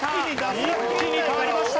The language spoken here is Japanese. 一気に変わりました。